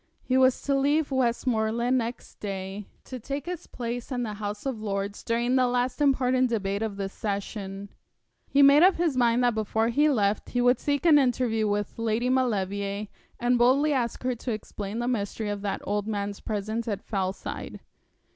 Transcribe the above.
He was to leave Westmoreland next day to take his place in the House of Lords during the last important debate of the session. He made up his mind that before he left he would seek an interview with Lady Maulevrier, and boldly ask her to explain the mystery of that old man's presence at Fellside.